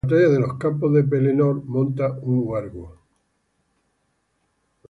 En la Batalla de los Campos de Pelennor monta un huargo.